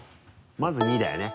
まず「２」だよね